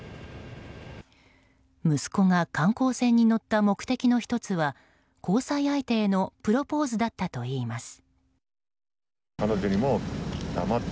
息子が観光船に乗った目的の１つは交際相手へのプロポーズだったといいます。